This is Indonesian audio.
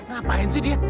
ngapain sih dia